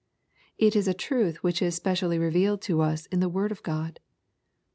It is a truth which is specially revealed to us in the word of God.